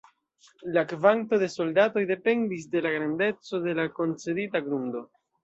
La kvanto de soldatoj dependis de la grandeco de la koncedita grundo.